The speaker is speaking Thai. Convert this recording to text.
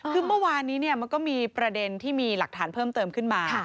คือเมื่อวานนี้มันก็มีประเด็นที่มีหลักฐานเพิ่มเติมขึ้นมา